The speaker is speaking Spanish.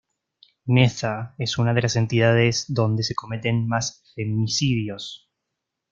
Neza, es una de las entidades donde se cometen más feminicidios.